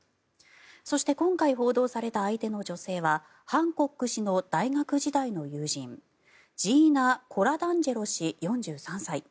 そして今回、報道された相手の女性はハンコック氏の大学時代の友人ジーナ・コラダンジェロ氏４３歳。